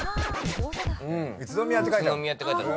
「宇都宮」って書いてある。